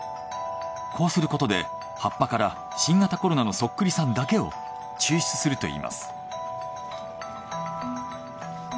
こうすることで葉っぱから新型コロナのそっくりさんだけを抽出するといいます。